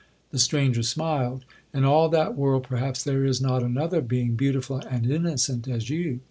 The stranger smiled. 'In all that world, perhaps there is not another being beautiful and innocent as you.